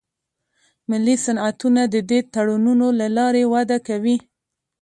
ملي صنعتونه د دې تړونونو له لارې وده کوي